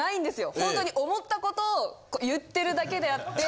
ほんとに思った事を言ってるだけであって。